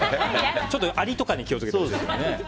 ちょっとアリとかに気を付けてほしいですね。